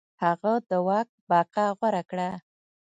هغه د واک بقا غوره کړه.